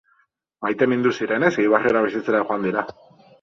Maitemindu zirenez Eibarrera bizitzera joan dira.